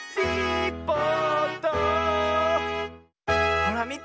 ほらみて。